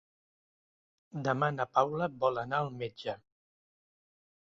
Demà na Paula vol anar al metge.